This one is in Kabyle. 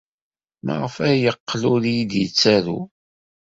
Maɣef ay yeqqel ur iyi-d-yettaru?